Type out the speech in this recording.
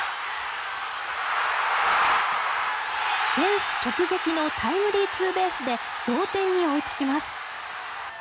フェンス直撃のタイムリーツーベースで同点に追いつきます。